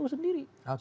dan kualifikasi itu